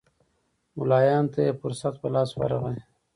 ملایانو ته یې فرصت په لاس ورغی.